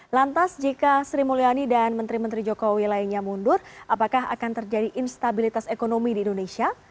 lantas jika sri mulyani dan menteri menteri jokowi lainnya mundur apakah akan terjadi instabilitas ekonomi di indonesia